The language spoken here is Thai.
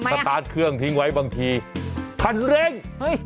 สตาร์ทเครื่องทิ้งไว้บางทีคันเร่ง